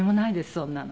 そんなの。